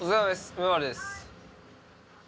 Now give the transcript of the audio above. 梅原です。